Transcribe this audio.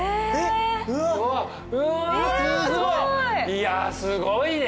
いやすごいね。